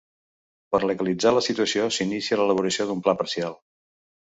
Per legalitzar la situació s'inicia l'elaboració d'un Pla Parcial.